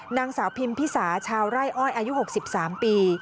นางสาวพิมพิสาชาวไร่อ้อยอายุ๖๓ปี